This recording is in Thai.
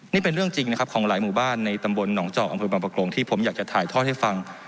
นี่เป็นเรื่องจริงนะครับของหลายหมู่บ้านในตำบลหนองเจาะอำเภอบางประกงที่ผมอยากจะถ่ายทอดให้ฟัง